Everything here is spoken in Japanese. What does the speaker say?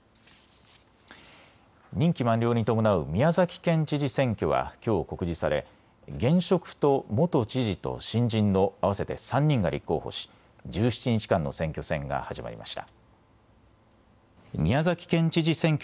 任期満了に伴う宮崎県知事選挙はきょう告示され現職と元知事と新人の合わせて３人が立候補し１７日間の選挙戦が始まりました。